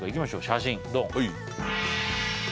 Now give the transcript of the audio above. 写真ドン！